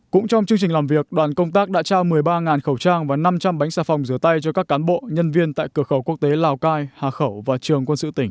cũng trong chương trình làm việc đoàn công tác đã trao một mươi ba khẩu trang và năm trăm linh bánh xà phòng giữa tay cho các cán bộ nhân viên tại cửa khẩu quốc tế lào cai hà khẩu và trường quân sự tỉnh